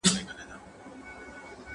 زه اوږده وخت د کتابتون پاکوالی کوم.